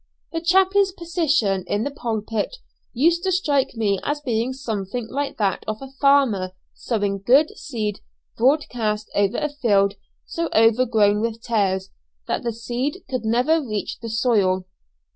The chaplain's position in the pulpit used to strike me as being something like that of a farmer sowing good seed broad cast over a field so overgrown with tares, that the seed could never reach the soil.